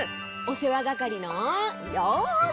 おせわがかりのようせい！